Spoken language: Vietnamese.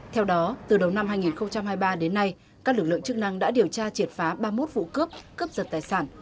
theo đó từ đầu năm hai nghìn hai mươi ba đến nay các lực lượng chức năng đã điều tra triệt phá ba mươi một vụ cướp cướp giật tài sản